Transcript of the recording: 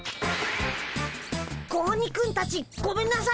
子鬼くんたちごめんなさい。